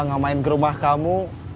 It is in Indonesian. gak main ke rumah kamu